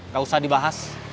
gak usah dibahas